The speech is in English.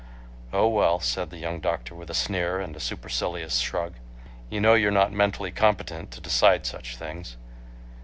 "Oh, well," said the young doctor with a sneer and a supercilious shrug, "you know you're not mentally competent to decide such things."